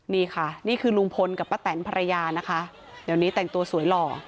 นี่ค่ะนี่คือลุงพลกับป้าแตนภรรยานะคะเดี๋ยวนี้แต่งตัวสวยหล่อ